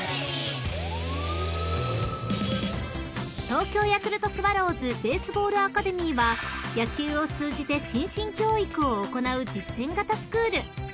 ［東京ヤクルトスワローズベースボールアカデミーは野球を通じて心身教育を行う実践型スクール］